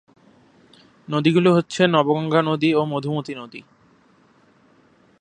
নদীগুলো হচ্ছে নবগঙ্গা নদী ও মধুমতি নদী।